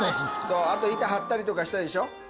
そうあと板張ったりとかしたでしょ。